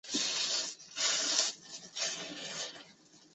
布里奇曼对科学方法及科学哲学的一些观点有相当广泛的着述。